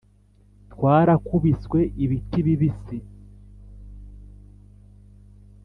twarakubiswe ibiti bibisi